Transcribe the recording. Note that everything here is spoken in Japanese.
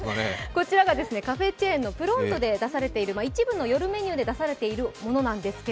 こちらがカフェチェーンのプロントで一部の夜メニューで出されているものです。